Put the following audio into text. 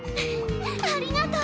ありがとう。